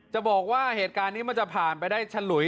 จะบอกว่าเหตุการณ์นี้มันจะผ่านไปได้ฉลุย